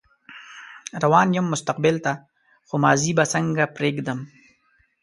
روان يم مستقبل ته خو ماضي به څنګه پرېږدم